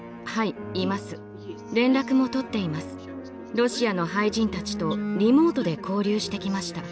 ロシアの俳人たちとリモートで交流してきました。